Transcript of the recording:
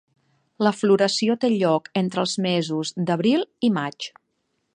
La floració té lloc entre els mesos d'abril i maig.